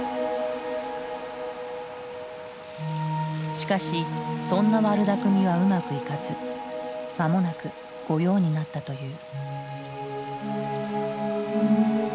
しかしそんな悪だくみはうまくいかず間もなく御用になったという。